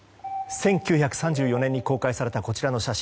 １９３４年に公開されたこちらの写真。